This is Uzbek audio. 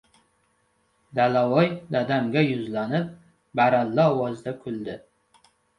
— Dalavoy dadamga yuzlanib, baralla ovozda kuldi.